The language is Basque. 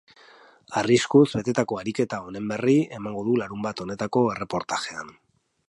Arriskuz betetako ariketa honen berri emango du larunbat honetako erreportajean.